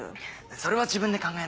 それは自分で考えなよ。